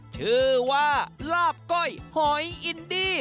ชื่อว่าลาบก้อยหอยอินดี้